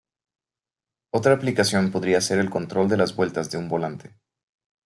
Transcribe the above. Otra aplicación podría ser el control de las vueltas de un volante.